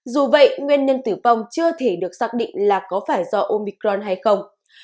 dù vậy nguyên nhân tử vong chưa thể được xác định là có phải do omicron hay không